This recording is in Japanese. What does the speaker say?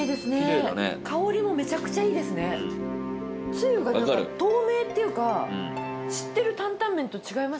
つゆが透明っていうか知ってる担担麺と違いますよね。